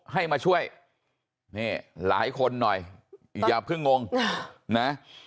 ให้มาช่วยนี่หลายคนหน่อยอย่าเพิ่งงงนะ